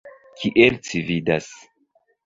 Kiel ci vidas.